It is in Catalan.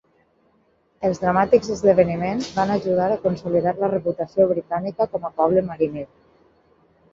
Els dramàtics esdeveniments van ajudar a consolidar la reputació britànica com a poble mariner.